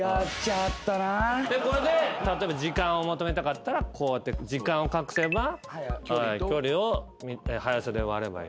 でこれで例えば時間を求めたかったらこうやって時間を隠せば距離を速さで割ればいい。